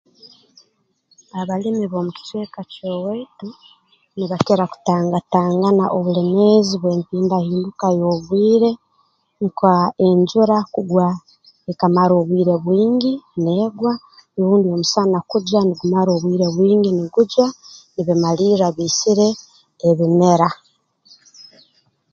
Abalimi b'omu kicweka ky'owaitu nibakira kutangatangana obulemeezi bw'empindahinduka y'obwire nka enjura kugwa ekamara obwire bwingi neegwa rundi omusana kujwa nugumara obwire bwingi nugujwa nibimalirra biisire ebimera